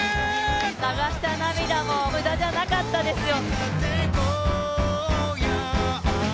流した涙も無駄じゃなかったですよ。